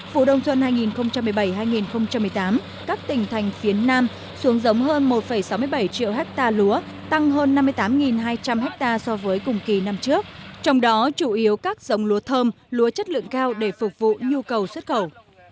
vụ đông xuân hai nghìn một mươi bảy hai nghìn một mươi tám các tỉnh thành phía nam xuống giống hơn một sáu mươi bảy triệu hectare lúa tăng hơn năm mươi tám hai trăm linh ha so với cùng kỳ năm trước trong đó chủ yếu các giống lúa thơm lúa chất lượng cao để phục vụ nhu cầu xuất khẩu